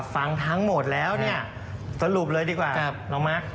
ฟังทั้งหมดแล้วสรุปเลยดีกว่าน้องมัก